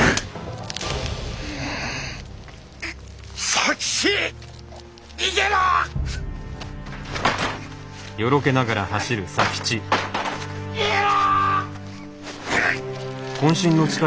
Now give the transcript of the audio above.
佐吉逃げろ！逃げろ！